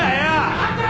黙ってろ！